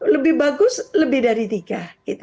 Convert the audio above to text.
lebih bagus lebih dari tiga